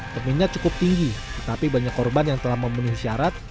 tebingnya cukup tinggi tetapi banyak korban yang telah memenuhi syarat